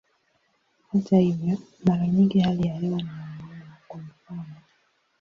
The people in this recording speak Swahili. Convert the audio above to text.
Hata hivyo, mara nyingi hali ya hewa ni ya maana, kwa mfano.